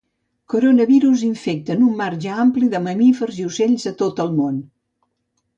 Coronavirus infecten un marge ampli de mamífers i ocells a tot el món.